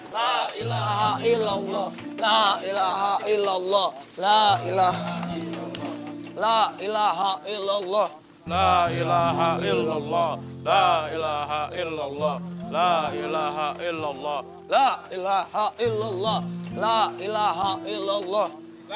tidak tidak ada ialah